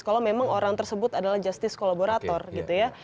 kalau memang orang tersebut adalah justice kolaborator gitu ya